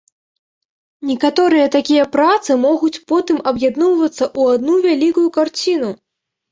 Некаторыя такія працы могуць потым аб'ядноўвацца ў адну вялікую карціну.